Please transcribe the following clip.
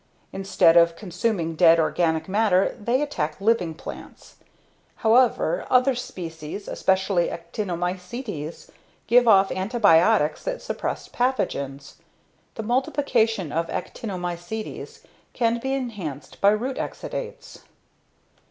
Instead of consuming dead organic matter they attack living plants. However, other species, especially actinomycetes, give off antibiotics that suppress pathogens. The multiplication of actinomycetes can be enhanced by root exudates.